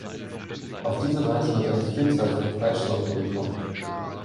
Auf diese Weise wird eine Vielzahl von Fleischsorten gekocht.